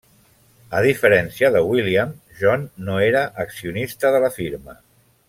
A diferència de William, John no era accionista de la firma.